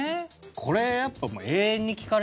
これはやっぱ。